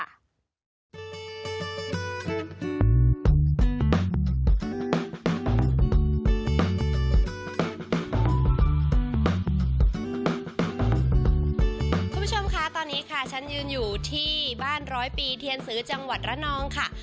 คุณผู้ชมคะตอนนี้ค่ะฉันยืนอยู่ที่บ้านร้อยปีเทียนสือจังหวัดระนองค่ะ